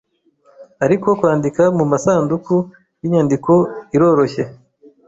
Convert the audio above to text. ariko kwandika mumasanduku yinyandiko iroroshye